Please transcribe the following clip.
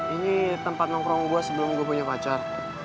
ini tempat nongkrong gue sebelum gue punya pacar